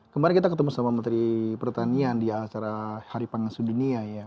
kemarin kita ketemu sama menteri pertanian di acara hari pangan sedunia ya